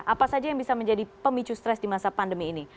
apa saja yang bisa menjadi pemicu stres di masa pandemi ini